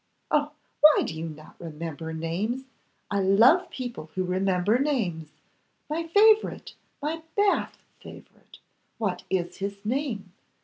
'Oh! why do you not remember names! I love people who remember names. My favourite, my Bath favourite. What is his name?